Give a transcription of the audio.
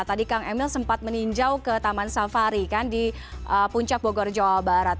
tadi kang emil sempat meninjau ke taman safari kan di puncak bogor jawa barat